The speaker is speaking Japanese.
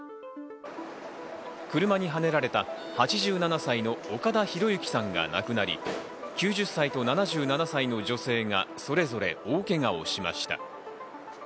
車にはねられた８７歳の岡田博行さんが亡くなり、９０歳と７７歳の女性がそれぞれ大怪我をしました。